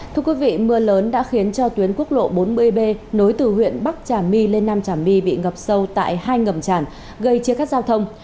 thưa quý vị mưa lớn đã khiến cho tuyến quốc lộ bốn mươi b nối từ huyện bắc trà my lên nam trà my bị ngập sâu tại hai ngầm tràn gây chia cắt giao thông